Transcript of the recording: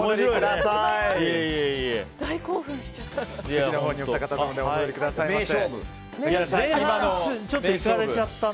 大興奮しちゃった。